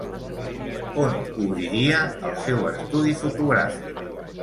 On obriria el seu estudi fotogràfic?